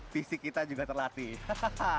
fisik kita juga terlatih